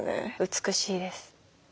美しいです。